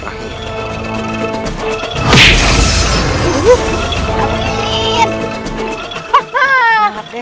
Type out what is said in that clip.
raden terima kasih raden